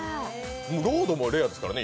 「ロード」もレアですからね